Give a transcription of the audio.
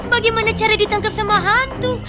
bagaimana cara ditangkap sama hantu